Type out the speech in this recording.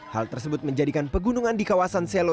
hal tersebut menjadikan pegunungan di kawasan selo